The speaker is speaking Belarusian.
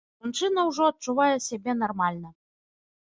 Жанчына ўжо адчувае сябе нармальна.